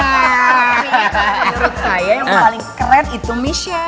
menurut saya yang paling keren itu michel